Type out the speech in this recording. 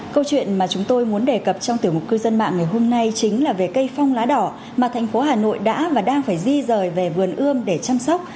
câu chuyện mà chúng tôi muốn đề cập trong tiểu mục cư dân mạng ngày hôm nay chính là về cây phong lá đỏ mà thành phố hà nội đã và đang phải di rời về vườn ươm để chăm sóc